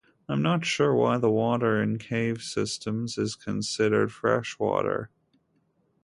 I'm not sure why the water in cave systems is considered freshwater.